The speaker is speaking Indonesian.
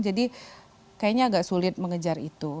jadi kayaknya agak sulit mengejar itu